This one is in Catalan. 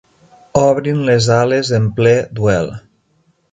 Obrin les ales en ple duel.